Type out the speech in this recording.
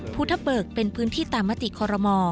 ภูทะเบิกเป็นพื้นที่ตามมติคอรมอ